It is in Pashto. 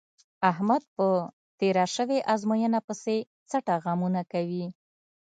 احمد په تېره شوې ازموینه پسې څټه غمونه کوي.